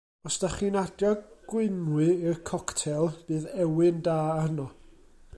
Os 'da chi'n adio gwynnwy i'r coctêl bydd ewyn da arno.